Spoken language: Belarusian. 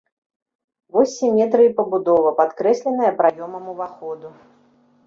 Вось сіметрыі пабудовы падкрэсленая праёмам уваходу.